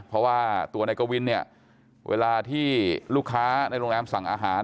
เพราะว่าตัวนายกวินเนี่ยเวลาที่ลูกค้าในโรงแรมสั่งอาหาร